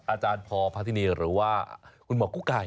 อาจารย์พอพาธินีหรือว่าคุณหมอกุ๊กไก่